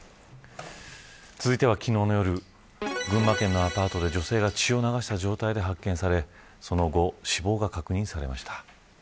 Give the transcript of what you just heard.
続いては昨日の夜群馬県のアパートで女性が血を流した状態で発見されその後、死亡が確認されました。